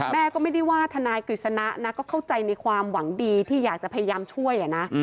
แม่ก็ไม่ได้ว่าทนายกฤษณะนะก็เข้าใจในความหวังดีที่อยากจะพยายามช่วยนะ